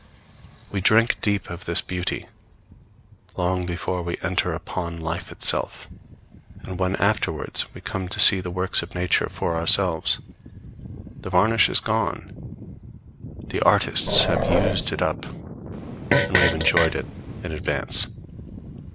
We drink deep of this beauty long before we enter upon life itself; and when afterwards we come to see the works of Nature for ourselves, the varnish is gone: the artists have used it up and we have enjoyed it in advance.